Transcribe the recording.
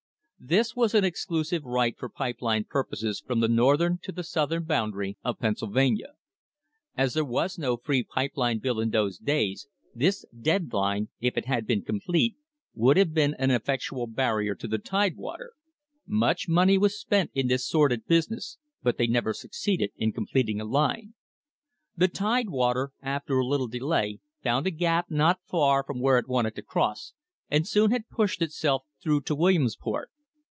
This was an ex clusive right for pipe line purposes from the northern to the southern boundary of Pennsylvania. As there was no free pipe line bill in those days, this "dead line," if it had been complete, would have been an effectual barrier to the Tidewater. Much money was spent in this sordid business, but they never suc ceeded in completing a line. The Tidewater, after a little delay, found a gap not far from where it wanted to cross, and soon had pushed itself through to Williamsport.